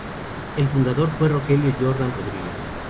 El fundador fue Rogelio Jordán Rodríguez.